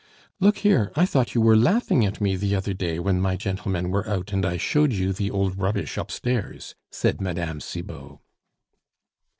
"Look here, I thought you were laughing at me the other day when my gentlemen were out and I showed you the old rubbish upstairs," said Mme. Cibot.